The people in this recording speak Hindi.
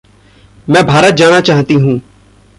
मैं भारत जाना चाहती हूँ।